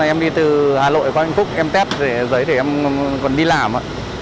em đi từ hà nội qua văn phúc em test giấy để em còn đi làm